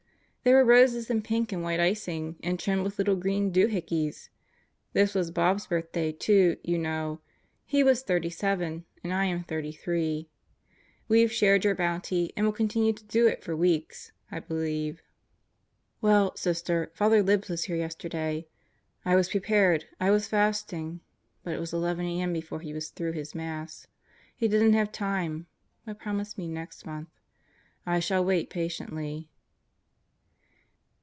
There were roses in pink and white icing, and trimmed with little green "do hickeys." This was Bob's birthday, too, you know. He was 37 and I am 33. We've shared your bounty and will continue to do it for weeks, I believe. Well, Sister, Father Libs was here yesterday. I was prepared. I was fasting. But it was 11 a.m. before he was through his Mass. He didn't have time, but promised me next month. I shall wait patiently.